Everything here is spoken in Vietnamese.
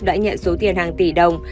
đã nhận số tiền hàng tỷ đồng